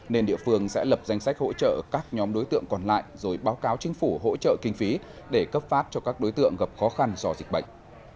nên địa phương sẽ lập danh sách hỗ trợ các nhóm đối tượng còn lại rồi báo cáo chính phủ hỗ trợ kinh phí để cấp phát cho các đối tượng gặp khó khăn do dịch bệnh